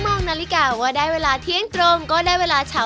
มองนาฬิกาว่าได้เวลาเที่ยงตรงก็ได้เวลาเช้า